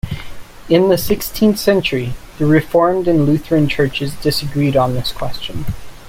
In the sixteenth century, the Reformed and Lutheran churches disagreed on this question.